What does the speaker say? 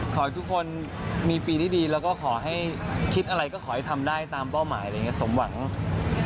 ขอให้ทุกคนมีปีที่ดีแล้วก็ขอให้คิดอะไรก็ขอให้ทำได้ตามเป้าหมายอะไรอย่างนี้สมหวัง